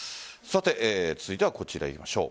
続いてはこちら、いきましょう。